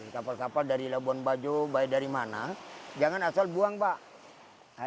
kapal kapal dari labuan bajo baik dari mana jangan asal buang pak